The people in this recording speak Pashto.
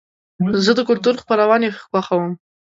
زه د کلتور خپرونې خوښوم.